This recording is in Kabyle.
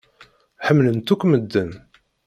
Ḥemmlen-tt akk medden.